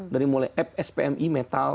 dari mulai spmi metal